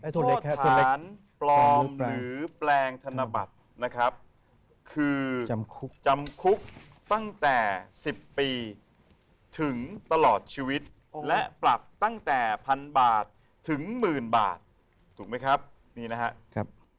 ปลอมหรือแปลงธนบัตรนะครับคือจำคุกตั้งแต่๑๐ปีถึงตลอดชีวิตและปรับตั้งแต่พันบาทถึงหมื่นบาทถูกไหมครับนี่นะครับ